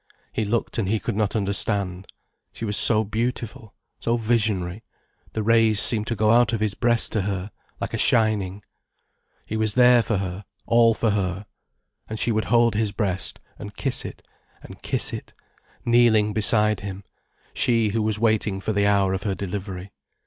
He looked and he could not understand. She was so beautiful, so visionary, the rays seemed to go out of his breast to her, like a shining. He was there for her, all for her. And she would hold his breast, and kiss it, and kiss it, kneeling beside him, she who was waiting for the hour of her delivery.